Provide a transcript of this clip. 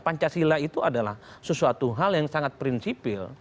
pancasila itu adalah sesuatu hal yang sangat prinsipil